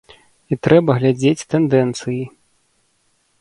І трэба глядзець тэндэнцыі.